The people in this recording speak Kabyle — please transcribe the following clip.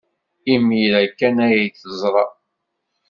Imir-a kan ay t-teẓra.